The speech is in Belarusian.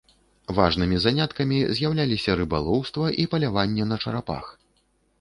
Важнымі заняткамі з'яўляліся рыбалоўства і паляванне на чарапах.